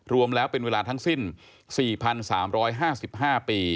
รวมแล้วเป็นเวลาทั้งสิ้น๔๓๕๕ปี